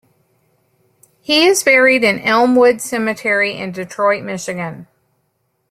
He is buried in Elmwood Cemetery in Detroit, Michigan.